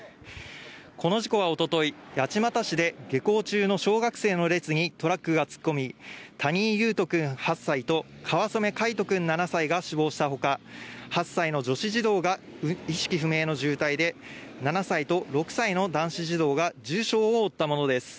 この事故は一昨日、八街市で下校中の小学生の列にトラックが突っ込み、谷井勇斗くん８歳と川染凱仁くん７歳が死亡したほか、８歳の女子児童が意識不明の重体で、７歳と６歳の男子児童が重傷を負ったものです。